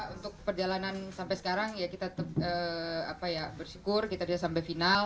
untuk perjalanan sampai sekarang ya kita bersyukur kita bisa sampai final